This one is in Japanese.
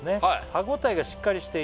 「歯応えがしっかりしていて」